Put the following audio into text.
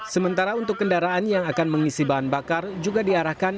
sementara untuk kendaraan yang akan mengisi bahan bakar juga diarahkan